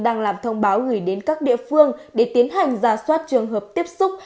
đang làm thông báo gửi đến các địa phương để tiến hành ra soát trường hợp tiếp xúc